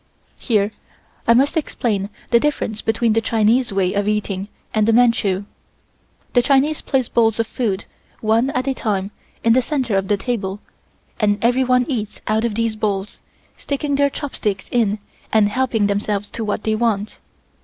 Here I must explain the difference between the Chinese way of eating and the Manchu. The Chinese place the bowls of food, one at a time, in the center of the table and everyone eats out of these bowls, sticking their chopsticks in and helping themselves to what they want.